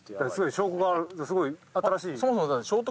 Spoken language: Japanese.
証拠があるってすごい新しい。